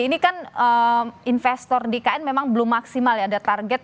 ini kan investor di kn memang belum maksimal ya ada target